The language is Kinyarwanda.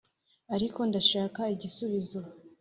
ariko ndashaka igisubizo